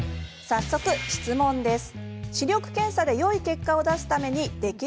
早速、質問です。